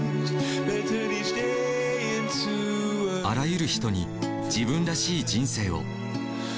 あらゆる人に自分らしい人生を。